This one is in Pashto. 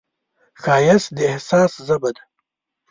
ښایست د احساس ژبه ده